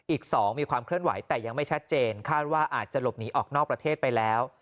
อีก๒มีความเคลื่อนไหวแต่ยังไม่ชัดเจนคาดว่าอาจจะหลบหนีออกนอกประเทศไปแล้ว